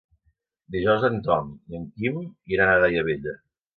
Dijous en Tom i en Quim iran a Daia Vella.